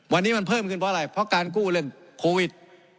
วันนี้มันเพิ่มขึ้นเพราะอะไรเพราะการกู้เรื่องโควิด